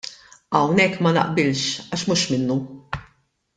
Hawnhekk ma naqbilx għax mhux minnu.